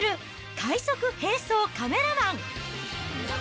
快速並走カメラマン。